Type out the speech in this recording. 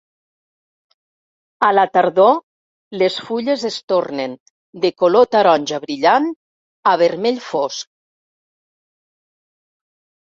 A la tardor les fulles es tornen de color taronja brillant a vermell fosc.